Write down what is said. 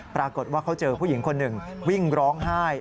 ปรากฏว่าเขาเจอผู้หญิงคนหนึ่งวิ่งร้องไห้